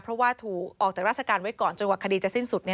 เพราะว่าถูกออกจากราชการไว้ก่อนจนกว่าคดีจะสิ้นสุด